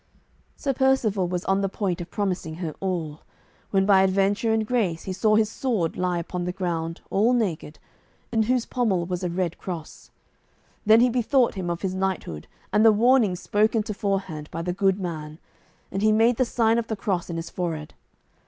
Sir Percivale was on the point of promising her all, when by adventure and grace he saw his sword lie upon the ground, all naked, in whose pommel was a red cross. Then he bethought him of his knighthood and the warning spoken toforehand by the good man, and he made the sign of the cross in his forehead.